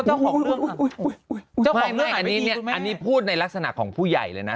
เจ้าของเรื่องอันนี้พูดในลักษณะของผู้ใหญ่เลยนะ